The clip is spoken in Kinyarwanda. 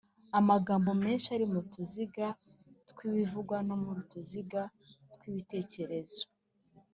amagambo menshi ari mu tuziga tw'ibivugwa no mu tuziga tw'ibitekerezo.